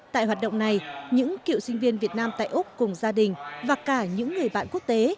tại hoạt động này những cựu sinh viên việt nam tại úc cùng gia đình và cả những người bạn quốc tế